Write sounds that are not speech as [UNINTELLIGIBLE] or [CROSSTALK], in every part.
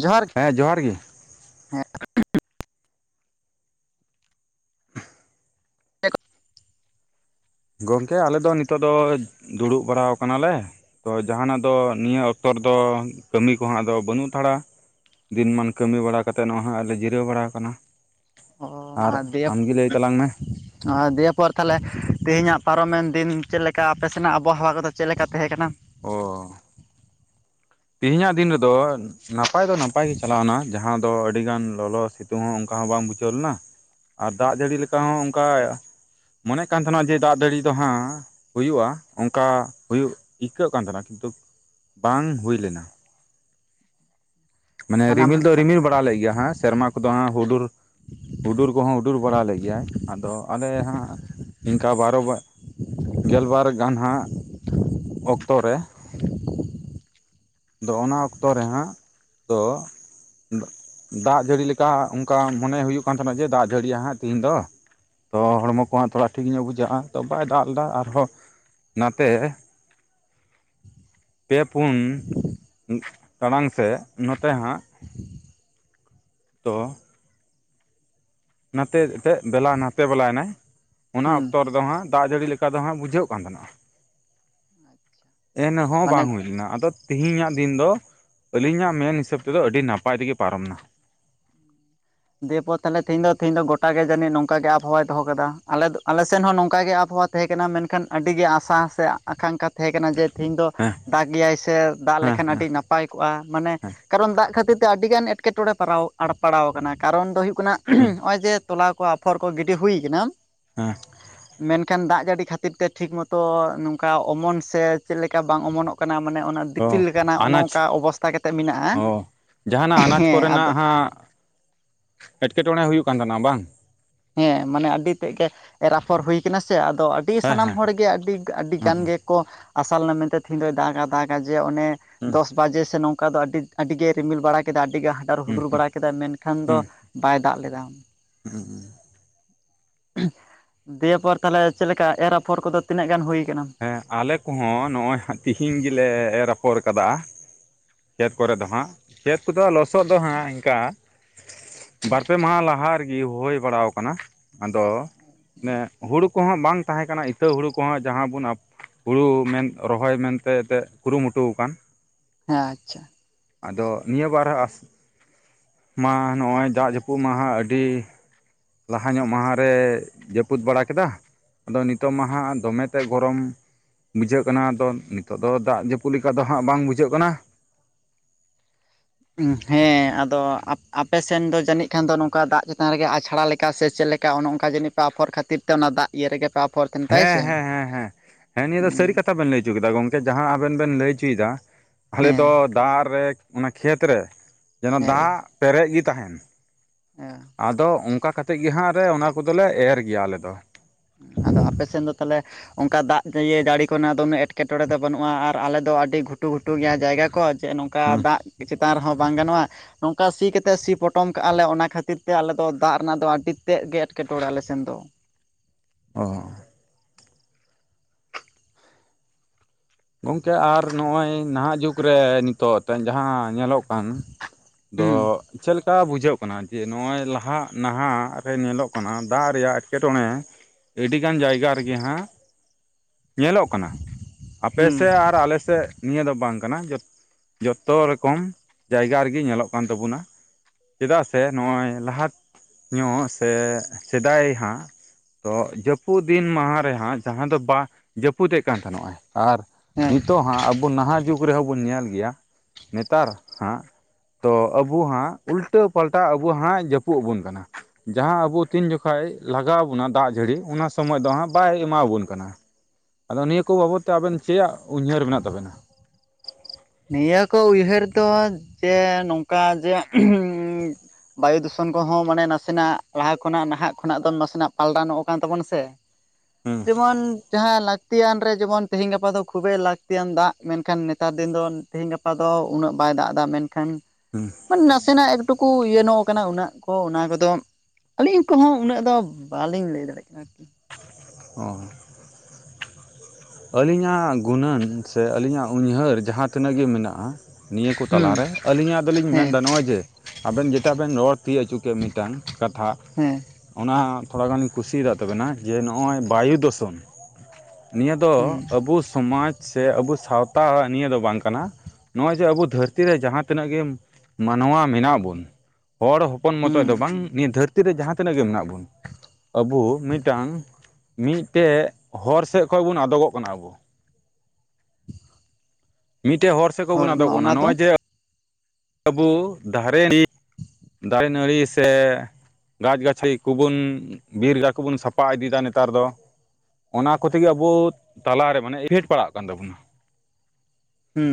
ᱡᱚᱦᱟᱨ ᱜᱮ ᱦᱮᱸ ᱡᱚᱦᱟᱨ ᱜᱤ᱾ ᱦᱮᱸ ᱜᱚᱝᱠᱮ ᱟᱞᱮ ᱫᱚ ᱱᱤᱛᱚᱜ ᱫᱚ ᱫᱩᱲᱩᱵ ᱵᱟᱲᱟ ᱠᱟᱱᱟ ᱞᱮ᱾ ᱛᱚ ᱡᱟᱦᱟᱸᱱᱟᱜ ᱫᱚ ᱱᱤᱭᱟᱹ ᱚᱠᱛᱚ ᱨᱮ ᱫᱚ ᱠᱟᱹᱢᱤ ᱠᱚ ᱦᱚᱸ ᱟᱫᱚ ᱵᱟᱹᱱᱩᱜ ᱦᱟᱛᱟᱲᱟ᱾ ᱫᱤᱱᱢᱟᱱ ᱠᱟᱹᱢᱤ ᱵᱟᱲᱟ ᱠᱟᱛᱮᱫ ᱱᱚᱸᱜᱼᱚᱭ ᱞᱮ ᱡᱤᱨᱟᱹᱣ ᱵᱟᱲᱟᱣ ᱠᱟᱱᱟ᱾ ᱚ ᱟᱨ ᱫᱤᱭᱮ ᱛᱟᱞᱟᱝ ᱢᱮ ᱚ ᱫᱤᱭᱮ ᱯᱚᱨ ᱛᱟᱦᱞᱮ ᱛᱤᱦᱤᱧᱟᱜ ᱯᱟᱨᱚ ᱢᱮᱱ ᱫᱤᱱ ᱪᱮᱫ ᱞᱮᱠᱟ ᱟᱯᱮ ᱥᱮᱱᱟᱜ ᱟᱵᱚ ᱦᱟᱣᱟ ᱠᱚ ᱫᱚ ᱪᱮᱫ ᱞᱮᱠᱟ ᱛᱟᱦᱮᱸ ᱠᱟᱱᱟ? ᱚ᱾ ᱛᱮᱦᱮ ᱧᱟᱜ ᱫᱤᱱ ᱨᱮ ᱫᱚ ᱱᱟᱯᱟᱭ ᱫᱚ ᱱᱟᱯᱟᱭ ᱜᱮ ᱪᱟᱞᱟᱣ ᱮᱱᱟ ᱡᱟᱦᱟᱸ ᱫᱚ ᱟᱹᱰᱤ ᱜᱟᱱ ᱞᱚ ᱞᱚ ᱥᱤ ᱡᱮᱢᱚᱱ ᱚᱝᱠᱟ ᱦᱚᱸ ᱵᱟᱝ ᱵᱩᱪᱷᱟᱹᱣ ᱞᱮᱱᱟ ᱟᱨ ᱫᱟᱜ ᱡᱟᱹᱲᱤ ᱞᱮᱠᱟ ᱦᱚᱸ ᱚᱝᱠᱟ ᱢᱚᱱᱮᱜ ᱠᱟᱱ ᱛᱟᱦᱮᱸᱱᱟ ᱡᱮ ᱫᱟᱜ ᱫᱟᱲᱤ ᱫᱚ ᱦᱟᱸᱜ ᱦᱩᱭᱩᱜᱼᱟ ᱚᱝᱠᱟ ᱦᱩᱭᱩᱜ ᱤᱭᱹᱠᱟᱹᱜ ᱠᱟᱱ ᱛᱟᱦᱮᱸᱱᱟ ᱠᱤᱱᱛᱩ ᱵᱟᱝ ᱦᱩᱭ ᱞᱮᱱᱟ᱾ ᱢᱟᱱᱮ ᱨᱤᱢᱤᱞ ᱥᱟᱱᱟᱢ ᱫᱚ ᱨᱤᱢᱤᱞ ᱵᱟᱲᱟ ᱞᱮᱫ ᱜᱮᱭᱟ ᱦᱟᱸ ᱥᱮᱨᱢᱟ ᱠᱚᱫᱚ ᱦᱟᱸᱜ ᱦᱩᱰᱩᱨ ᱦᱩᱰᱩᱨ ᱠᱚᱦᱚᱸ ᱦᱩᱰᱩᱨ ᱵᱟᱲᱟ ᱞᱮᱫ ᱜᱮᱭᱟᱭ ᱟᱫᱚ ᱟᱞᱮ ᱦᱟᱸᱜ ᱤᱝᱠᱟ ᱵᱟᱨᱚ ᱵᱟ ᱜᱮᱞ ᱵᱟᱨ ᱜᱟᱱ ᱦᱟᱸᱜ ᱚᱠᱛᱚ ᱨᱮ᱾ ᱟᱫᱚ ᱚᱱᱟ ᱚᱠᱛᱚ ᱨᱮ ᱦᱟᱸᱜ ᱛᱚ ᱫᱟᱜ ᱡᱟᱹᱲᱤ ᱞᱮᱠᱟ ᱚᱱᱠᱟ ᱢᱚᱱᱮ ᱦᱩᱭᱩᱜ ᱠᱟᱱ ᱛᱟᱦᱮᱱᱟ, ᱡᱮ ᱫᱟᱸᱜ ᱡᱟᱹᱲᱤᱭᱟᱭ ᱦᱟᱸᱜ ᱛᱤᱦᱤᱧ ᱫᱚ᱾ ᱛᱚ ᱦᱚᱲᱢᱚ ᱠᱚᱦᱚᱸ ᱛᱷᱚᱲᱟ ᱴᱷᱤᱠ ᱧᱚᱜ ᱵᱩᱡᱷᱟᱹᱜᱼᱟ᱾ ᱛᱚ ᱵᱟᱭ ᱫᱟᱜ ᱞᱮᱫᱟ ᱟᱨᱦᱚᱸ, ᱱᱟᱛᱮ ᱯᱮ ᱯᱩᱱ ᱴᱟᱲᱟᱝ ᱥᱮᱫ ᱱᱚᱛᱮ ᱦᱟᱸᱜ ᱛᱚ, ᱱᱟᱛᱮ ᱛᱮᱫ ᱫᱮᱞᱟ ᱱᱟᱛᱮ ᱵᱮᱞᱟᱭᱮᱱᱟᱭ᱾ ᱚᱱᱟ ᱦᱩᱸ ᱚᱠᱛᱚ ᱨᱮᱫᱚ ᱦᱟᱸᱜ, ᱫᱟᱜ ᱡᱟᱹᱲᱤ ᱞᱮᱠᱟ ᱦᱟᱸᱜ ᱵᱩᱡᱷᱟᱹᱜ ᱠᱟᱱ ᱛᱟᱦᱮᱱᱟ᱾ ᱟᱪᱪᱷᱟ᱾ ᱮᱱᱦᱚᱸ ᱵᱟᱝ ᱦᱩᱭ ᱞᱮᱱᱟ᱾ ᱟᱫᱚ ᱛᱤᱦᱤᱧᱟᱜ ᱫᱤᱱ ᱫᱚ ᱟᱹᱞᱤᱧᱟᱜ ᱢᱮᱱ ᱦᱤᱥᱟᱹᱵ ᱛᱮᱫᱚ ᱟᱹᱰᱤ ᱱᱟᱯᱟᱭ ᱛᱮᱜᱮ ᱯᱟᱨᱚᱢ ᱮᱱᱟ᱾ ᱫᱤᱭᱮᱯᱚᱨ ᱛᱟᱦᱚᱞᱮ ᱛᱮᱦᱮᱧ ᱫᱚ ᱛᱮᱦᱮᱧ ᱫᱚ ᱜᱚᱴᱟ ᱜᱮ ᱡᱟᱹᱱᱤᱡ ᱱᱚᱝᱠᱟ ᱜᱮ ᱟᱵᱚᱦᱟᱣᱟᱭ ᱫᱚᱦᱚ ᱠᱟᱫᱚ ᱟᱞᱮᱥᱮᱫ ᱦᱚᱸ ᱱᱚᱝᱠᱟ ᱜᱮ ᱟᱵᱚᱦᱟᱣᱟ ᱛᱟᱦᱮᱸ ᱠᱟᱱᱟ, ᱢᱮᱱᱠᱷᱟᱱ ᱟᱹᱰᱤᱜᱮ ᱟᱥᱟ ᱥᱮ ᱟᱠᱟᱝᱠᱷᱟ ᱛᱟᱦᱮᱸ ᱠᱟᱱᱟ ᱡᱮ ᱛᱤᱦᱤᱧ ᱫᱚ ᱦᱮᱸ ᱫᱟᱜ ᱜᱮᱭᱟᱭ ᱥᱮ ᱫᱟᱜ ᱦᱮᱸ ᱞᱮᱠᱷᱟᱱ ᱦᱮᱸ ᱟᱹᱰᱤ ᱱᱟᱯᱟᱭ ᱠᱚᱜᱼᱟ ᱢᱟᱱᱮ ᱦᱮᱸ ᱠᱟᱨᱚᱱ ᱫᱟᱜ ᱠᱷᱟᱹᱛᱤᱨ ᱛᱮ ᱟᱹᱰᱤᱜᱟᱱ ᱮᱴᱠᱮ ᱠᱮᱴᱚᱬᱮ ᱯᱟᱨᱟᱣ ᱟᱬᱯᱟᱲᱟᱣ ᱠᱟᱱᱟ ᱠᱟᱨᱚᱱ ᱫᱚ ᱦᱩᱭᱩᱜ ᱠᱟᱱᱟ ᱦᱩᱸ ᱦᱚᱜᱼᱚᱭ ᱡᱮ ᱛᱚᱞᱟ ᱠᱚ ᱟᱯᱷᱚᱨ ᱠᱚ ᱜᱤᱰᱤ ᱦᱩᱭ ᱠᱟᱱᱟ᱾ ᱦᱮᱸ, ᱢᱮᱱᱠᱷᱟᱱ ᱫᱟᱜ ᱡᱟᱹᱲᱤ ᱠᱷᱟᱹᱛᱤᱨ ᱛᱮ ᱴᱷᱤᱠ ᱢᱚᱛᱚ ᱱᱚᱝᱠᱟ ᱚᱢᱚᱱ ᱥᱮ ᱪᱮᱫ ᱞᱮᱠᱟ ᱵᱟᱝ ᱚᱢᱚᱱᱚᱜ ᱠᱟᱱᱟ ᱢᱟᱱᱮ ᱚᱱᱟ ᱫᱤᱯᱤᱞ ᱚ ᱞᱮᱠᱟᱱᱟᱜ ᱚᱱᱮ ᱟᱱᱟᱡᱽ ᱚᱱᱠᱟ ᱚᱵᱚᱥᱛᱷᱟ ᱠᱟᱛᱮᱫ ᱢᱮᱱᱟᱜᱼᱟ᱾ ᱚ ᱡᱟᱦᱟᱱᱟᱜ ᱟᱱᱟᱪ ᱦᱮᱸ ᱠᱚᱨᱮᱱᱟᱜ ᱟᱫᱚ ᱦᱟᱸᱜ ᱮᱸᱴᱠᱮᱴᱚᱬᱮ ᱦᱩᱭᱩᱜ ᱠᱟᱱ ᱛᱟᱦᱮᱱᱟ ᱵᱟᱝ? ᱦᱮᱸ ᱢᱟᱱᱮ ᱟᱹᱰᱤ ᱛᱮᱫ ᱜᱮ ᱮᱨᱟᱯᱷᱚᱨ ᱦᱩᱭ ᱠᱟᱱᱟ ᱥᱮ ᱟᱫᱚ ᱟᱹᱰᱤ ᱦᱮᱸ ᱥᱟᱱᱟᱢ ᱦᱮᱸ ᱦᱚᱲᱜᱮ ᱟᱹᱰᱤ ᱟᱹᱰᱤ ᱦᱮᱸ ᱜᱟᱱ ᱜᱮ ᱠᱚ ᱟᱥᱟ ᱞᱮᱱᱟ ᱢᱮᱱᱛᱮ ᱛᱤᱦᱤᱧ ᱫᱚᱭ ᱫᱟᱜᱟ ᱫᱟᱜᱟ ᱡᱮ ᱚᱱᱮ ᱦᱩᱸ ᱫᱚᱥ ᱵᱟᱡᱮ ᱥᱮ ᱱᱚᱝᱠᱟ ᱫᱚ ᱟᱹᱰᱤ ᱟᱹᱰᱤ ᱜᱮᱭ ᱨᱤᱢᱤᱞ ᱵᱟᱲᱟ ᱠᱮᱫᱟ, ᱟᱹᱰᱤ ᱜᱮ ᱦᱟᱰᱟᱨ ᱦᱩᱸ ᱦᱩᱰᱩᱨ ᱵᱟᱲᱟ ᱠᱮᱫᱟ, ᱢᱮᱱᱠᱷᱟᱱ ᱫᱚ ᱵᱟᱭ ᱫᱟᱜ ᱞᱮᱫᱟ᱾ ᱦᱮᱸ, ᱫᱤᱭᱮ ᱯᱚᱨ ᱛᱟᱦᱚᱞᱮ ᱪᱮᱫ ᱞᱮᱠᱟ ᱮᱨ ᱟᱯᱷᱚᱨ ᱠᱚᱫᱚ ᱛᱤᱱᱟᱹᱜ ᱜᱟᱱ ᱦᱩᱭ ᱟᱠᱟᱱᱟ? ᱦᱮᱸ ᱟᱞᱮ ᱠᱚᱦᱚᱸ ᱱᱚᱜᱼᱚᱭ ᱦᱟᱸᱜ ᱛᱤᱦᱤᱧ ᱜᱮᱞᱮ ᱮᱨ ᱟᱯᱷᱚᱨ ᱠᱟᱫᱟ᱾ ᱠᱷᱮᱛ ᱠᱚᱨᱮ ᱫᱚ ᱦᱟᱸᱜ, ᱠᱷᱮᱛ ᱠᱚᱫᱚ ᱞᱚᱥᱚᱫ ᱫᱚ ᱦᱟᱸᱜ ᱤᱱᱠᱟ ᱵᱟᱨᱯᱮ ᱢᱟᱦᱟ ᱞᱟᱦᱟ ᱨᱮᱜᱮ ᱦᱩᱭ ᱵᱟᱲᱟᱣ ᱠᱟᱱᱟ᱾ ᱟᱫᱚ ᱢᱟᱱᱮ ᱦᱩᱲᱩ ᱠᱚᱦᱚᱸ ᱵᱟᱝ ᱛᱟᱦᱮᱸ ᱠᱟᱱᱟ, ᱤᱛᱟᱹ ᱦᱩᱲᱩ ᱠᱚᱦᱚᱸ ᱡᱟᱦᱟᱸ ᱵᱚᱱ ᱟᱯᱷᱚ ᱦᱩᱲᱩ ᱢᱮᱱ ᱨᱚᱦᱚᱭ ᱢᱮᱱᱛᱮ ᱮᱱᱛᱮᱫ ᱠᱩᱨᱩᱢᱩᱴᱩ ᱠᱟᱱ᱾ ᱦᱮᱸ ᱟᱪᱪᱷᱟ᱾ ᱟᱫᱚ ᱱᱤᱭᱟᱹ ᱵᱟᱨ ᱢᱟ ᱱᱚᱜᱼᱚᱭ ᱫᱟᱜ ᱡᱟᱹᱯᱩᱫ ᱢᱟ ᱦᱟᱸᱜ ᱟᱹᱰᱤ ᱞᱟᱦᱟ ᱧᱚᱜ ᱢᱟᱦᱟ ᱨᱮ ᱡᱟᱹᱯᱩᱫ ᱵᱟᱲᱟ ᱠᱮᱫᱟ᱾ ᱟᱫᱚ ᱱᱤᱛᱚᱜ ᱢᱟ ᱦᱟᱸᱜ ᱫᱚᱢᱮ ᱛᱮ ᱜᱚᱨᱚᱢ ᱵᱩᱡᱷᱟᱹᱜ ᱠᱟᱱᱟ, ᱟᱫᱚ ᱱᱤᱛᱚᱜ ᱫᱚ ᱫᱟᱜ ᱡᱟᱹᱯᱩᱫ ᱞᱮᱠᱟ ᱫᱚ ᱦᱟᱸᱜ ᱵᱟᱝ ᱵᱩᱡᱷᱟᱹᱜ ᱠᱟᱱᱟ᱾ ᱦᱮᱸ ᱟᱫᱚ ᱟᱯᱮ ᱥᱮᱱ ᱫᱚ ᱡᱟᱹᱱᱤᱡ ᱠᱷᱟᱱ ᱫᱚ ᱱᱚᱝᱠᱟ ᱫᱟᱜ ᱪᱮᱛᱟᱱ ᱨᱮᱜᱮ ᱟᱪᱷᱲᱟ ᱞᱮᱠᱟ ᱥᱮ ᱪᱮᱫ ᱞᱮᱠᱟ ᱠᱟ ᱚᱱᱮ ᱚᱱᱠᱟ ᱡᱟᱹᱱᱤᱡ ᱯᱮ ᱟᱯᱷᱚᱨ ᱠᱷᱟᱹᱛᱤᱨ ᱛᱮ ᱚᱱᱟ ᱫᱟᱜ ᱤᱭᱟᱹ ᱨᱮᱜᱮ ᱯᱮ ᱟᱯᱷᱚᱨ ᱛᱟᱦᱮᱱ ᱛᱟᱭ ᱥᱮ, ᱦᱮᱸ ᱦᱮᱸ ᱦᱮᱸ ᱦᱮᱸ ᱦᱮᱸ ᱱᱤᱭᱟᱹ ᱫᱚ ᱦᱩᱸ᱾ ᱥᱟᱹᱨᱤ ᱵᱮᱱ ᱞᱟᱹᱭ ᱦᱚᱪᱚ ᱠᱮᱫᱟ ᱜᱚᱝᱠᱮ ᱡᱟᱦᱟᱸ ᱟᱵᱮᱱ ᱵᱮᱱ ᱞᱟᱹᱭ ᱚᱪᱚᱭᱫᱟ ᱟᱞᱮ ᱫᱚ ᱫᱟᱜ ᱨᱮ ᱚᱱᱟ ᱠᱷᱮᱛ ᱨᱮ ᱡᱮᱱᱚ ᱫᱟᱜ ᱯᱮᱨᱮᱡ ᱜᱮ ᱛᱟᱦᱮᱱ᱾ ᱦᱮᱸ, ᱟᱫᱚ ᱚᱱᱠᱟ ᱠᱟᱛᱮᱜ ᱜᱮ ᱦᱟᱸᱜ ᱨᱮ ᱚᱱᱟ ᱠᱚᱫᱚᱞᱮ ᱮᱨ ᱜᱮᱭᱟ ᱟᱞᱮᱫᱚ᱾ ᱟᱫᱚ ᱟᱯᱮᱥᱮᱱ ᱫᱚ ᱛᱟᱦᱚᱞᱮ ᱚᱱᱠᱟ ᱫᱟᱜ ᱤᱭᱟᱹ ᱡᱟᱹᱲᱤ ᱠᱚᱨᱮ ᱱᱟᱜ ᱦᱚᱸ ᱫᱚᱢᱮ ᱮᱴᱠᱮᱴᱚᱬᱮ ᱫᱚ ᱵᱟᱹᱱᱩᱜᱼᱟ᱾ ᱟᱨ ᱟᱞᱮ ᱫᱚ ᱟᱹᱰᱤ ᱜᱷᱩᱴᱩ ᱜᱷᱩᱴᱩ ᱜᱮᱭᱟ ᱡᱟᱭᱜᱟ ᱠᱚ᱾ ᱪᱮᱫ ᱱᱚᱝᱠᱟ ᱦᱮᱸ ᱫᱟᱜ ᱪᱮᱛᱟᱱ ᱨᱮᱦᱚᱸ ᱵᱟᱝ ᱜᱟᱱᱚᱜᱼᱟ ᱾ ᱱᱚᱝᱠᱟ ᱥᱤ ᱠᱟᱛᱮᱫ ᱥᱤ ᱯᱚᱴᱚᱢ ᱠᱟᱜᱼᱟ ᱞᱮ ᱚᱱᱟ ᱠᱷᱟᱹᱛᱤᱨ ᱛᱮ ᱟᱞᱮ ᱫᱚ ᱫᱟᱜ ᱨᱮᱱᱟᱜ ᱫᱚ ᱟᱹᱰᱤ ᱛᱮᱫ ᱜᱮ ᱮᱴᱠᱮᱴᱚᱬᱮ ᱟᱞᱮ ᱥᱮᱱ ᱫᱚ ᱾ ᱚ ᱜᱚᱝᱠᱮ ᱟᱨ ᱱᱚᱜᱼᱚᱭ ᱱᱟᱦᱟᱜ ᱡᱩᱜᱽ ᱨᱮ ᱱᱤᱛᱚᱜ ᱛᱮᱦᱮᱧ ᱡᱟᱦᱟᱸ ᱧᱮᱞᱚᱜ ᱠᱟᱱ, ᱫᱚᱻ ᱦᱩᱸ ᱪᱮᱫ ᱞᱮᱠᱟ ᱵᱩᱡᱷᱟᱹᱜ ᱠᱟᱱᱟ? ᱡᱮ ᱱᱚᱜᱼᱚᱭ ᱞᱟᱦᱟᱜ ᱱᱟᱦᱟᱜ ᱨᱮ ᱧᱮᱞᱚᱜ ᱠᱟᱱᱟ ᱫᱟᱜ ᱨᱮᱭᱟᱜ ᱮᱸᱴᱠᱮᱴᱚᱬᱮ ᱾ ᱟᱹᱰᱤᱜᱟᱱ ᱡᱟᱭᱜᱟ ᱨᱮᱜᱮ ᱦᱟᱸᱜ ᱧᱮᱞᱚᱜ ᱠᱟᱱᱟ ᱾ ᱦᱩᱸ ᱟᱯᱮᱥᱮᱫ ᱟᱨ ᱟᱞᱮ ᱥᱮᱫ ᱱᱤᱭᱟᱹ ᱫᱚ ᱵᱟᱝ ᱠᱟᱱᱟ, ᱡᱚᱛᱚ ᱨᱚᱠᱚᱢ ᱡᱟᱭᱜᱟ ᱨᱮᱜᱮ ᱧᱮᱞᱚᱜ ᱠᱟᱱ ᱛᱟᱵᱚᱱᱟ ᱾ ᱪᱮᱫᱟᱜ ᱥᱮ ᱱᱚᱜᱼᱚᱭ ᱞᱟᱦᱟ ᱧᱚᱜ ᱥᱮ ᱥᱮᱫᱟᱭ ᱦᱟᱸᱜ, ᱛᱚ ᱡᱟᱹᱯᱩᱫ ᱫᱤᱱ ᱢᱟᱦᱟ ᱨᱮᱦᱟᱸᱜ ᱡᱟᱦᱟᱸ ᱫᱚ ᱵᱟ ᱡᱟᱹᱯᱩᱫᱮ ᱠᱟᱱ ᱛᱟᱦᱮᱱᱚᱜᱼᱟᱭ ᱾ ᱟᱨ ᱦᱮᱸ ᱱᱤᱛᱚᱜ ᱦᱟᱸᱜ ᱟᱵᱚ ᱱᱟᱦᱟᱜ ᱡᱩᱜᱽ ᱨᱮᱦᱚᱸ ᱵᱚᱱ ᱧᱮᱞ ᱜᱮᱭᱟ ᱱᱮᱛᱟᱨ ᱦᱟᱸᱜ ᱛᱩ ᱟᱵᱚ ᱦᱟᱸᱜ ᱩᱞᱴᱟᱹ ᱯᱟᱞᱴᱟ ᱟᱵᱚ ᱦᱟᱸᱜ ᱡᱟᱹᱯᱩᱫ ᱟᱵᱚᱱ ᱠᱟᱱᱟ ᱾ ᱡᱟᱦᱟᱸ ᱟᱵᱚ ᱛᱤᱱ ᱡᱚᱠᱷᱷᱟ ᱞᱟᱜᱟᱣ ᱵᱚᱱᱟ ᱫᱟᱜ ᱡᱟᱹᱲᱤ ᱚᱱᱟ ᱥᱚᱢᱚᱭ ᱫᱚ ᱦᱟᱸᱜ ᱵᱟᱭ ᱮᱢᱟᱵᱚᱱ ᱠᱟᱱᱟ ᱾ ᱟᱫᱚ ᱱᱤᱭᱟᱹ ᱠᱚ ᱵᱟᱵᱚᱫ ᱛᱮ ᱟᱵᱮᱱ ᱪᱮᱫᱭᱟᱜ ᱩᱭᱦᱟᱹᱨ ᱢᱮᱱᱟᱜ ᱛᱟᱵᱮᱱᱟ? ᱱᱤᱭᱟᱹ ᱠᱚ ᱩᱭᱦᱟᱹᱨ ᱫᱚ ᱪᱮ ᱱᱚᱝᱠᱟ ᱡᱮ ᱵᱟᱭᱩ ᱫᱷᱩᱥᱚᱱ ᱠᱚᱦᱚᱸ ᱢᱟᱱᱮ ᱱᱟᱥᱮᱱᱟᱜ ᱞᱟᱦᱟ ᱠᱷᱚᱱᱟᱜ ᱱᱟᱦᱟᱜ ᱠᱷᱚᱱᱟᱜ ᱫᱚ ᱱᱟᱥᱮᱱᱟᱜ ᱯᱟᱞᱴᱟᱣ ᱱᱚᱜ ᱠᱟᱱ ᱛᱟᱵᱚᱱᱼᱟ ᱥᱮ ᱾ ᱦᱮᱸ ᱡᱮᱢᱚᱱ ᱡᱟᱦᱟᱸ ᱞᱟᱹᱠᱛᱤᱭᱟᱱ ᱨᱮ ᱡᱮᱢᱚᱱ ᱛᱮᱦᱮᱧ ᱜᱟᱯᱟ ᱫᱚ ᱠᱷᱩᱵᱮ ᱞᱟᱹᱠᱛᱤᱭᱟᱱ ᱫᱟᱜ ᱢᱮᱱᱠᱷᱟᱱ ᱱᱮᱛᱟᱨ ᱫᱤᱱ ᱫᱚ ᱛᱤᱦᱤᱧ ᱜᱟᱯᱟ ᱫᱚ ᱩᱱᱟᱹᱜ ᱵᱟᱭ ᱫᱟᱜ ᱮᱫᱟ ᱢᱮᱱᱠᱷᱟᱱ ᱦᱮᱸ ᱢᱟᱱᱮ ᱱᱟᱥᱮᱱᱟᱜ ᱮᱠᱴᱩᱠᱩ ᱤᱭᱟᱹ ᱱᱚᱜ ᱠᱟᱱᱟ ᱩᱱᱟᱹᱜ ᱠᱚ ᱚᱱᱟ ᱠᱚᱫᱚ ᱟᱹᱞᱤᱧ ᱠᱚᱦᱚᱸ ᱩᱱᱟᱹᱜ ᱫᱚ ᱵᱟᱞᱤᱧ ᱞᱟᱹᱭ ᱫᱟᱲᱮᱜ ᱠᱟᱱᱟ ᱟᱨᱠᱤ᱾ ᱚ ᱟᱹᱞᱤᱧᱟᱜ ᱜᱩᱱᱟᱹᱱ ᱥᱮ ᱟᱹᱞᱤᱧᱟᱜ ᱩᱭᱦᱟᱹᱨ ᱡᱟᱦᱟᱸ ᱛᱤᱱᱟᱹᱜ ᱜᱮ ᱢᱮᱱᱟᱜᱼᱟ᱾ ᱱᱤᱭᱟᱹ ᱠᱚ ᱦᱩᱸ ᱛᱟᱞᱟᱨᱮ ᱟᱹᱞᱤᱧᱟᱜ ᱫᱚᱞᱤᱧ ᱦᱮᱸ ᱢᱮᱱᱫᱟ ᱱᱚᱜᱼᱚᱭ ᱡᱮ ᱟᱵᱮᱱ ᱡᱮᱴᱟ ᱵᱮᱱ ᱨᱚᱲ ᱛᱤᱭ ᱚᱪᱚ ᱠᱮᱫ ᱢᱤᱫᱴᱟᱝ ᱠᱟᱛᱷᱟ ᱦᱮᱸ ᱚᱱᱟ ᱛᱷᱚᱲᱟ ᱜᱟᱱᱤᱧ ᱠᱩᱥᱤᱭᱟᱠᱟᱫ ᱛᱟᱵᱮᱱᱟ ᱡᱮ ᱱᱚᱜ ᱚᱭ ᱵᱟᱭᱩ ᱫᱷᱩᱥᱚᱱ ᱱᱤᱭᱟᱹ ᱫᱚ ᱦᱩᱸ ᱟᱵᱚ ᱥᱚᱢᱟᱡ ᱥᱮ ᱟᱵᱚ ᱥᱟᱶᱛᱟ ᱱᱤᱭᱟᱹ ᱫᱚ ᱵᱟᱝ ᱠᱟᱱᱟ᱾ ᱱᱚᱜᱼᱚᱭ ᱡᱮ ᱟᱵᱚ ᱫᱷᱟᱹᱨᱛᱤ ᱨᱮ ᱡᱟᱦᱟᱸ ᱛᱤᱱᱟᱹᱜ ᱜᱮ ᱢᱟᱱᱣᱟ ᱢᱮᱱᱟᱜ ᱵᱚᱱ, ᱦᱚᱲ ᱦᱚ ᱯᱚᱱ ᱢᱚᱛᱚᱡ ᱦᱩᱸ ᱫᱚ ᱵᱟᱝ ᱱᱤᱭᱟᱹ ᱫᱷᱟᱹᱨᱛᱤ ᱨᱮ ᱡᱟᱦᱟᱸ ᱛᱤᱱᱟᱹᱜ ᱜᱮ ᱢᱮᱱᱟᱜ ᱵᱚᱱ᱾ ᱟᱵᱚ ᱢᱤᱫᱴᱟᱝ ᱢᱤᱫᱴᱮᱡ ᱦᱚᱨ ᱥᱮᱫ ᱠᱷᱚᱱᱚᱡ ᱵᱚᱱ ᱟᱫᱚᱜᱚᱜ ᱠᱟᱱᱟ ᱟᱵᱚ᱾ ᱢᱤᱫᱴᱮᱡ ᱦᱚᱨ ᱥᱮᱫ ᱠᱷᱚᱡ ᱦᱚᱲ ᱵᱚᱱ ᱢᱟ ᱟᱫᱚᱜ ᱠᱟᱱᱟ ᱚᱱᱟ ᱫᱚ ᱱᱚᱜᱼᱚᱭ ᱡᱮ ᱟᱵᱚ ᱫᱷᱟᱨᱮ ᱫᱟᱨᱮ, ᱱᱟᱹᱲᱤ ᱥᱮ ᱜᱟᱪᱷ-ᱜᱟᱪᱷᱟᱭ ᱠᱚᱵᱚᱱ ᱵᱤᱨ ᱠᱚᱵᱚᱱ ᱥᱟᱯᱷᱟ ᱤᱫᱤᱭᱮᱫᱟ ᱱᱮᱛᱟᱨ ᱫᱚ᱾ ᱚᱱᱟ ᱠᱚᱛᱮᱜᱮ ᱟᱵᱚ ᱛᱟᱞᱟᱨᱮ ᱢᱟᱱᱮ ᱮᱯᱷᱮᱠᱴ ᱯᱟᱲᱟᱜ ᱠᱟᱱ ᱛᱟᱵᱚᱱᱟ ᱾ ᱦᱩᱸ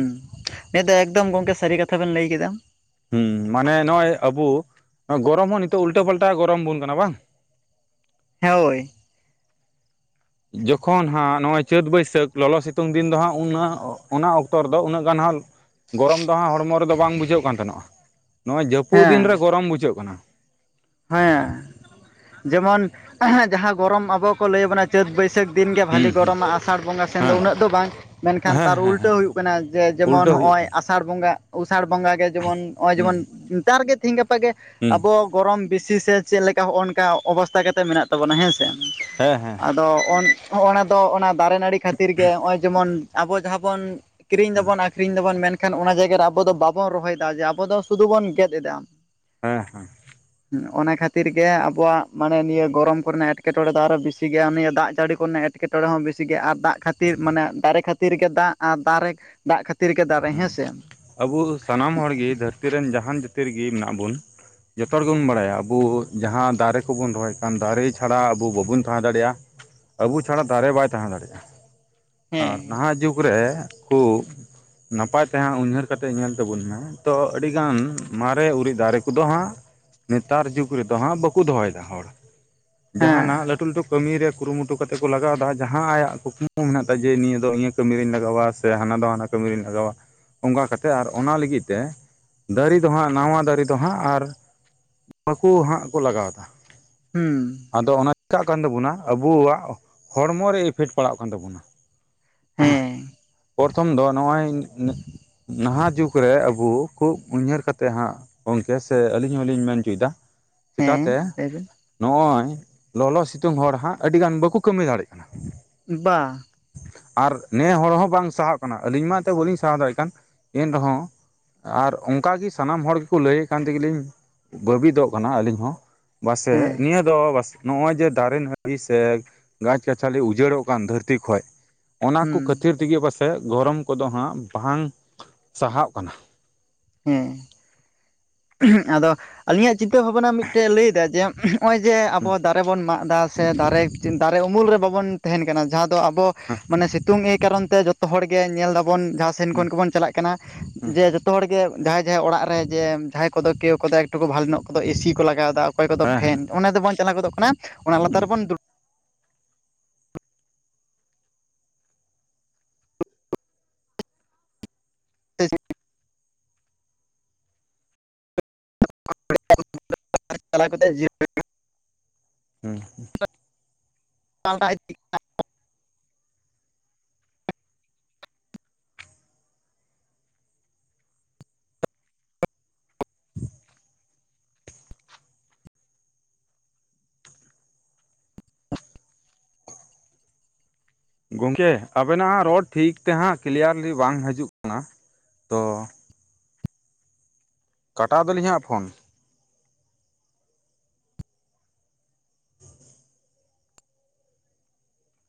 ᱱᱤᱭᱟᱹ ᱫᱚ ᱮᱠᱫᱚᱢ ᱜᱚᱝᱠᱮ ᱥᱟᱹᱨᱤ ᱠᱟᱛᱷᱟ ᱵᱮᱱ ᱞᱟᱹᱭ ᱠᱮᱫᱟ᱾ ᱦᱮᱸ, ᱢᱟᱱᱮ ᱱᱚᱜ ᱚᱭ ᱟᱵᱚ ᱜᱚᱨᱚᱢ ᱦᱚᱸ ᱱᱤᱛᱚᱜ ᱩᱞᱴᱟᱹ ᱯᱟᱞᱴᱟ ᱜᱚᱨᱚᱢ ᱵᱚᱱ ᱠᱟᱱᱟ ᱵᱟᱝ? ᱦᱮᱸᱭᱳᱭ ᱾ ᱡᱚᱠᱷᱚᱱ ᱦᱟᱸᱜ ᱱᱚᱜᱼᱚᱭ ᱪᱟᱹᱛ, ᱵᱟᱹᱭᱥᱟᱹᱠᱷ ᱞᱚᱞᱚ ᱥᱤᱛᱩᱝ ᱫᱤᱱ ᱫᱚ ᱦᱟᱸᱜ ᱩᱱᱟᱹᱜ ᱚᱱᱟ ᱚᱠᱛᱚ ᱨᱮᱫᱚ ᱩᱱᱟᱹᱜ ᱜᱟᱱ ᱦᱟᱸᱜ ᱜᱚᱨᱚᱢ ᱫᱚ ᱦᱟᱸᱜ ᱦᱚᱲᱢᱚ ᱨᱮᱫᱚ ᱵᱟᱝ ᱵᱩᱡᱷᱟᱹᱜ ᱠᱟᱱ ᱛᱟᱦᱮᱱᱚᱜᱼᱟ, ᱱᱚᱣᱟᱜᱼᱚᱭ ᱡᱟᱹᱯᱩᱫ ᱫᱤᱱ ᱨᱮ ᱦᱮᱸ ᱜᱚᱨᱚᱢ ᱵᱩᱡᱷᱟᱹᱜ ᱠᱟᱱᱟ᱾ ᱦᱮᱸ ᱡᱮᱢᱚᱱ ᱡᱟᱦᱟᱸ ᱜᱚᱨᱚᱢ ᱟᱵᱚ ᱠᱚ ᱞᱟᱹᱭ ᱟᱵᱚᱱᱟ ᱪᱟᱹᱛ, ᱵᱟᱹᱭ ᱥᱟᱹᱠ ᱫᱤᱱ ᱜᱮ ᱦᱩᱸ ᱵᱟᱹᱞᱮ ᱦᱩᱸ ᱜᱚᱨᱚᱢᱟ ᱟᱥᱟᱲ ᱵᱚᱸᱜᱟ ᱥᱮᱱ ᱫᱚ ᱦᱮᱸ ᱩᱱᱟᱹᱜ ᱫᱚ ᱵᱟᱝ᱾ ᱢᱮᱱᱠᱷᱟᱱ ᱦᱮᱸ ᱛᱟᱨ ᱦᱮᱸ ᱦᱮᱸ ᱩᱞᱴᱟᱹ ᱦᱩᱭᱩᱜ ᱠᱟᱱᱟ ᱡᱮ ᱡᱮᱢᱚᱱ ᱩᱞᱴᱟᱹ ᱦᱩᱭᱩᱜ ᱱᱚᱜᱼᱚᱭ ᱠᱟᱱᱟ ᱟᱥ ᱥᱟᱲ ᱵᱚᱸᱜᱟ ᱟᱥᱟᱲ ᱵᱚᱸᱜᱟ ᱜᱮ ᱡᱮᱢᱚᱱ ᱱᱚᱜᱼᱚᱭ ᱦᱩᱸ ᱡᱮᱢᱚᱱ ᱱᱮᱛᱟᱨ ᱜᱮ ᱛᱤᱦᱤᱧ ᱜᱟᱯᱟᱮ ᱦᱩᱸ ᱟᱵᱚ ᱜᱚᱨᱚᱢ ᱵᱤᱥᱤ ᱥᱮ ᱪᱮᱫ ᱞᱮᱠᱟ ᱦᱚᱸᱜᱼᱚ ᱚᱱᱠᱟ ᱚᱵᱚᱥᱛᱟ ᱠᱟᱛᱮᱜ ᱢᱮᱱᱟᱜ ᱛᱟᱵᱚᱱᱟ ᱦᱮᱸᱥᱮ, ᱦᱮᱸ ᱦᱮᱸ ᱟᱫᱚ ᱚᱱ ᱦᱚᱸᱜᱼᱚ ᱱᱚᱣᱟ ᱫᱚ ᱚᱱᱟ ᱫᱟᱨᱮ ᱱᱟᱹᱲᱤ ᱠᱷᱟᱹᱛᱤᱨ ᱜᱮ, ᱦᱚᱸᱜᱼᱚᱭ ᱡᱮᱢᱚᱱ ᱟᱵᱚ ᱡᱟᱦᱟᱸ ᱵᱚᱱ ᱠᱤᱨᱤᱧ ᱮᱫᱟ ᱦᱮᱸ ᱵᱚᱱ ᱟᱹᱠᱷᱨᱤᱧ ᱮᱫᱟ ᱵᱚᱱ ᱢᱮᱱᱠᱷᱟᱱ ᱚᱱᱟ ᱡᱟᱭᱜᱟ ᱨᱮ ᱟᱵᱚ ᱫᱚ ᱵᱟᱵᱚᱱ ᱨᱚᱦᱚᱭᱮᱫᱟ ᱡᱮ ᱟᱵᱚ ᱫᱚ ᱥᱩᱫᱩ ᱵᱚᱱ ᱜᱮᱫ ᱮᱫᱟ᱾ ᱦᱮᱸ ᱦᱮᱸ, ᱦᱩᱸ ᱚᱱᱟ ᱠᱷᱟᱹᱛᱤᱨ ᱜᱮ ᱟᱵᱚᱣᱟᱜ ᱢᱟᱱᱮ ᱱᱤᱭᱟᱹ ᱜᱚᱨᱚᱢ ᱠᱚᱨᱮᱱᱟᱜ ᱮᱴᱠᱮᱼᱴᱚᱬᱮ ᱫᱚ ᱟᱨᱦᱚᱸ ᱵᱤᱥᱤ ᱜᱮᱭᱟ ᱩᱱᱤᱭᱟᱹ ᱫᱟᱜ ᱡᱟᱹᱲᱤ ᱠᱚᱨᱮᱱᱟᱜ ᱮᱴᱠᱮ ᱠᱮ ᱴᱚᱬᱮ ᱦᱚᱸ ᱵᱮᱥᱤ ᱜᱮ ᱟᱨ ᱫᱟᱜ ᱠᱷᱟᱹᱛᱤᱨ ᱢᱟᱱᱮ ᱫᱟᱨᱮ ᱠᱷᱟᱹᱛᱤᱨ ᱜᱮ ᱫᱟᱜ ᱟᱨ ᱫᱟᱨᱮ ᱫᱟᱜ ᱠᱷᱟᱹᱛᱤᱨ ᱜᱮ ᱫᱟᱨᱮ ᱦᱮᱸ ᱦᱮᱸᱥᱮ, [UNINTELLIGIBLE] ᱛᱤ ᱨᱮᱱ ᱡᱟᱦᱟᱸᱱ ᱡᱟᱹᱛᱤ ᱨᱮᱜᱮ ᱢᱮᱱᱟᱜ ᱵᱳᱱ ᱡᱚᱛᱚ ᱦᱚᱲ ᱜᱮ ᱵᱩᱱ ᱵᱟᱰᱟᱭᱟ ᱟᱵᱩ ᱡᱟᱦᱟᱸ ᱫᱟᱨᱮ ᱠᱚᱵᱩᱱ ᱨᱚᱦᱚᱭ ᱟᱠᱟᱜᱼᱟ, ᱚᱱᱟ ᱫᱟᱨᱮ ᱪᱷᱟᱲᱟ ᱟᱵᱩ ᱵᱟᱵᱩᱱ ᱛᱟᱦᱮᱸ ᱫᱟᱲᱮᱭᱟᱜᱼᱟ, ᱟᱵᱩ ᱪᱷᱟᱲᱟ ᱫᱟᱨᱮ ᱵᱟᱭ ᱛᱟᱦᱮᱸ ᱫᱟᱲᱮᱭᱟᱜᱼᱟ ᱟᱨ ᱦᱮᱸ ᱱᱟᱦᱟᱸᱜ ᱡᱩᱜᱽ ᱨᱮ ᱩᱸᱠᱩ ᱱᱟᱯᱟᱭ ᱛᱮᱦᱟᱸᱜ ᱩᱧᱦᱟᱹᱨ ᱠᱟᱛᱮᱜ ᱧᱮᱞ ᱛᱟᱵᱩᱱ ᱢᱮ, ᱛᱚ ᱟᱹᱰᱤᱜᱟᱱ ᱢᱟᱨᱮ ᱩᱨᱤᱡᱽ ᱫᱟᱨᱮ ᱠᱚᱫᱚ ᱦᱟᱸᱜ ᱱᱮᱛᱟᱨ ᱡᱩᱜᱽ ᱨᱮᱫᱚ ᱦᱟᱸᱜ ᱵᱟᱹᱠᱩ ᱫᱚᱦᱚᱭᱮᱫᱟ ᱦᱚᱲ, ᱦᱮᱸ ᱡᱟᱦᱟᱸᱱᱟᱜ ᱞᱟᱹᱴᱩ ᱞᱟᱹᱴᱩ ᱠᱟᱹᱢᱤ ᱨᱮ ᱠᱩᱨᱩ ᱢᱩᱴᱩ ᱠᱚᱛᱮ ᱠᱚ ᱞᱟᱜᱟᱣ ᱮᱫᱟ, ᱡᱟᱦᱟᱸ ᱟᱭᱟᱜ ᱠᱩᱠᱢᱩ ᱢᱮᱱᱟᱜ ᱛᱟᱭ, ᱡᱮ ᱱᱤᱭᱟᱹ ᱫᱚ ᱤᱭᱟᱹ ᱠᱟᱹᱢᱤ ᱨᱤᱧ ᱞᱟᱜᱟᱣᱟ ᱥᱮ ᱦᱟᱱᱟ ᱫᱚ ᱦᱟᱱᱟ ᱠᱟᱹᱢᱤ ᱨᱤᱧ ᱞᱟᱜᱟᱣᱟ, ᱚᱸᱠᱟ ᱠᱟᱛᱮᱜ ᱟᱨ ᱚᱱᱟ ᱞᱟᱹᱜᱤᱫ ᱛᱮ ᱫᱟᱨᱤ ᱫᱚ ᱦᱟᱸᱜ ᱱᱟᱣᱟ ᱫᱟᱨᱤ ᱫᱚ ᱦᱟᱸᱜ ᱟᱨ ᱵᱟᱹᱠᱩ ᱦᱟᱸᱜ ᱠᱚ ᱞᱟᱜᱟᱣ ᱮᱫᱟ᱾ ᱦᱩᱸ, ᱟᱫᱚ ᱚᱱᱟ [UNINTELLIGIBLE] ᱠᱟᱜ ᱠᱟᱱ ᱛᱟᱹᱵᱩᱱᱟ ᱟᱹᱵᱩᱣᱟᱜ ᱦᱚᱲᱢᱚ ᱨᱮ ᱤᱯᱷᱮᱠᱴ ᱯᱟᱲᱟᱜ ᱠᱟᱱ ᱛᱟᱵᱩᱱᱟ᱾ ᱦᱮᱸ ᱯᱚᱨᱛᱷᱚᱢ ᱫᱚ ᱱᱚᱜᱼᱚᱭ ᱤᱧ ᱱᱤᱡ ᱱᱟᱦᱟᱸᱜ ᱡᱩᱜᱽ ᱨᱮ ᱟᱹᱵᱩ ᱠᱷᱩᱵ ᱩᱭᱦᱟᱹᱨ ᱠᱟᱛᱮᱜ ᱦᱟᱸᱜ ᱜᱚᱝᱠᱮ ᱥᱮ ᱟᱹᱞᱤᱧ ᱦᱚᱸᱞᱤᱧ ᱢᱮᱱ ᱚᱪᱚ ᱭᱮᱫᱟ ᱪᱮᱠᱟ ᱛᱮ ᱦᱮᱸ ᱞᱟᱹᱭ ᱵᱤᱱ ᱱᱚᱜᱼᱚᱭ ᱞᱚᱞᱚ ᱥᱤᱛᱩᱝ ᱦᱚᱲ ᱦᱟᱸᱜ ᱟᱹᱰᱤ ᱜᱟᱱ ᱵᱟᱹᱠᱩ ᱠᱟᱹᱢᱤ ᱫᱟᱲᱮᱜ ᱠᱟᱱᱟ᱾ ᱵᱟᱝ, ᱟᱨ ᱱᱮ ᱦᱚᱲ ᱦᱚᱸ ᱵᱟᱝ ᱥᱟᱦᱟᱣᱼᱚᱜ ᱠᱟᱱᱟ, ᱟᱹᱞᱤᱧ ᱢᱟ ᱮᱱᱛᱮ ᱵᱟᱹᱞᱤᱧ ᱥᱟᱦᱟᱣ ᱫᱟᱲᱮᱜ ᱠᱟᱱ ᱮᱱ ᱨᱮᱦᱚᱸ ᱟᱨ ᱚᱸᱠᱟ ᱜᱤ ᱥᱟᱱᱟᱢ ᱦᱚᱲ ᱜᱮᱠᱚ ᱞᱟᱹᱭᱼ ᱮᱜ ᱠᱟᱱ ᱛᱮᱜᱤ ᱞᱤᱧ ᱵᱟᱹᱵᱤᱫᱚᱜ ᱠᱟᱱᱟ ᱟᱹᱞᱤᱧ ᱦᱚᱸ, ᱵᱟ ᱥᱮ ᱦᱮᱸ ᱱᱤᱭᱟᱹ ᱫᱚ ᱵᱟᱥᱮ ᱱᱚᱜᱼᱚᱭ ᱡᱮ ᱫᱟᱨᱮ ᱱᱟᱹᱲᱤ ᱥᱮ ᱜᱟᱪ- ᱜᱟᱪᱷᱟᱞᱤ ᱩᱡᱟᱹᱲᱚᱜ ᱠᱟᱱ ᱫᱷᱟᱹᱨᱛᱤ ᱠᱷᱚᱡ ᱚᱱᱟ ᱠᱚ ᱦᱩᱸ ᱠᱟᱹᱛᱤᱨ ᱛᱮᱜᱮ ᱯᱟᱥᱮᱡ ᱜᱚᱨᱚᱢ ᱠᱚᱫᱚ ᱦᱟᱸᱜ ᱵᱟᱝ ᱥᱟᱦᱟᱣᱼᱚᱜ ᱠᱟᱱᱟ᱾ ᱦᱮᱸ, [UNINTELLIGIBLE] ᱟᱫᱚ ᱟᱹᱞᱤᱧᱟᱜ ᱪᱤᱛᱟᱹ ᱵᱷᱟᱵᱽᱱᱟ ᱢᱤᱫᱴᱟᱹᱜ ᱮ ᱞᱟᱹᱭ ᱮᱫᱟ, ᱡᱮ [UNINTELLIGIBLE] ᱦᱚᱸᱜᱼᱚᱭ ᱡᱮ ᱟᱵᱚ ᱫᱟᱨᱮ ᱵᱚᱱ ᱢᱟᱜ ᱮᱫᱟ, ᱥᱮ ᱫᱟᱨᱮᱻᱡᱽ ᱫᱟᱨᱮ ᱩᱢᱩᱞ ᱨᱮ ᱵᱟᱵᱚᱱ ᱛᱟᱦᱮᱱ ᱠᱟᱱᱟ, ᱡᱟᱦᱟᱸ ᱫᱚ ᱟᱵᱚ ᱢᱟᱱᱮ ᱥᱤᱛᱩᱝ ᱮ ᱠᱟᱨᱚᱱ ᱛᱮ ᱡᱚᱛ ᱛᱚ ᱦᱚᱲ ᱜᱮ ᱧᱮᱞ ᱮᱫᱟ ᱵᱚᱱ ᱡᱟᱦᱟᱸ ᱥᱮᱱ ᱠᱷᱚᱱ ᱜᱮᱵᱚᱱ ᱪᱟᱞᱟᱜ ᱠᱟᱱᱟ, ᱡᱮ ᱡᱚᱛᱚ ᱦᱚᱲ ᱜᱮ ᱡᱟᱦᱟᱸᱭ ᱡᱟᱦᱟᱸᱭ ᱚᱲᱟᱜ ᱨᱮ ᱡᱮ ᱡᱟᱦᱟᱸᱭ ᱠᱚᱫᱚ ᱠᱮᱣ ᱠᱚᱫᱟ ᱮᱠᱴᱩ ᱠᱚ ᱵᱷᱟᱜᱮ ᱱᱚᱜ ᱠᱚᱫᱚ ᱮ ᱥᱤ ᱠᱚ ᱞᱟᱜᱟᱣ ᱮᱫᱟ ᱚᱠᱚᱭ ᱠᱚᱫᱚ ᱦᱮᱸ ᱯᱷᱮᱱ, ᱚᱱᱟ ᱫᱚᱸ ᱵᱟᱝ ᱪᱟᱸᱞᱟᱶ ᱜᱚᱸᱫᱚᱸᱜ ᱠᱟᱱᱟ, ᱚᱱᱟ ᱞᱟᱸᱛᱟᱨ ᱨᱮᱸᱵᱚᱱ ᱫᱩᱲᱩ- [UNINTELLIGIBLE] [UNINTELLIGIBLE] ᱪᱟᱞᱟᱣ ᱠᱟᱛᱮ [UNINTELLIGIBLE] ᱩᱸ ᱦᱩᱸ, [UNINTELLIGIBLE] ᱯᱟᱞᱴᱟ ᱤᱫᱤᱜ [UNINTELLIGIBLE] ᱜᱚᱝᱠᱮ ᱟᱵᱮᱱᱟ ᱦᱟᱸᱜ ᱨᱚᱲ ᱴᱷᱤᱠ ᱛᱮ ᱦᱟᱸᱜ ᱠᱮᱞᱭᱟᱨᱞᱤ ᱵᱟᱝ ᱦᱟᱹᱡᱩᱜ ᱠᱟᱱᱟ, ᱛᱚ ᱠᱟᱴᱟᱣ ᱮᱫᱟ ᱞᱤᱧ ᱦᱟᱸᱜ ᱯᱷᱳᱱ᱾ [INAUDIBLE]